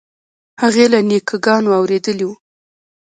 هغې له نیکه ګانو اورېدلي وو.